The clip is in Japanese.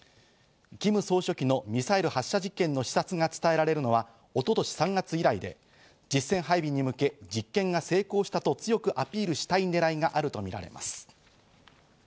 キム総書記のミサイル発射実験の視察が伝えられるのは一昨年３月以来で、実戦配備に向け、実験が成功したと強くアピールしたい狙いがあるとみられます。